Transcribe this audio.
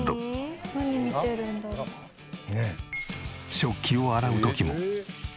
食器を洗う時も。